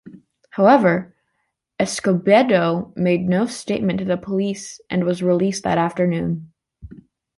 However, Escobedo made no statement to the police and was released that afternoon.